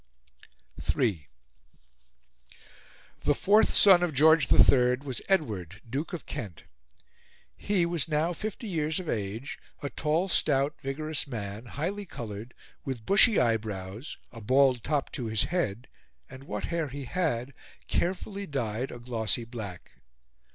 III The fourth son of George III was Edward, Duke of Kent. He was now fifty years of age a tall, stout, vigorous man, highly coloured, with bushy eyebrows, a bald top to his head, and what hair he had carefully dyed a glossy black.